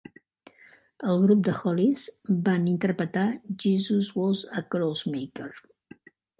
El grup The Hollies van interpretar "Jesus Was A Crossmaker".